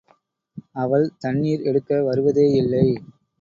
அவள் தண்ணிர் எடுக்க வருவதேயில்லை.